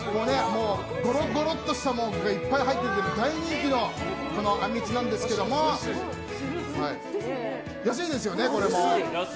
ごろごろっとした具がいっぱい入っていて大人気のあんみつなんですけども安いですよね、これも。